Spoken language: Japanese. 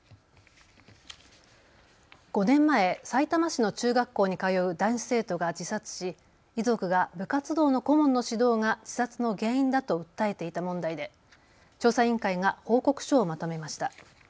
５年前、さいたま市の中学校に通う男子生徒が自殺し遺族が部活動の顧問の指導が自殺の原因だと訴えていた問題で調査委員会が報告書をまとめました。